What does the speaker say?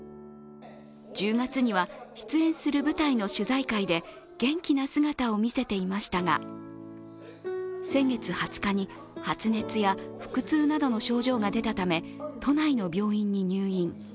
１０月には出演する舞台の取材会で元気な姿を見せていましたが、先月２０日に発熱や腹痛などの症状が出たため都内の病院に入院。